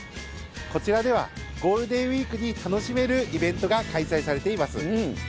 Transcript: こちらではゴールデンウィークに楽しめるイベントが開催されています。